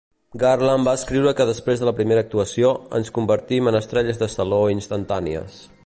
Garland va escriure que després de la primera actuació, ens convertim en estrelles de saló instantànies.